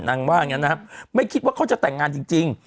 ว่าอย่างนั้นนะครับไม่คิดว่าเขาจะแต่งงานจริง